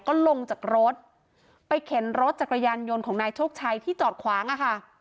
ก็ลงจากรถไปเข็นรถจักรยานยนต์ของนายโชคชัยที่จอดขวางอะค่ะ